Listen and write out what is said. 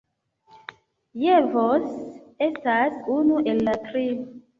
Jevons estas unu el la tri.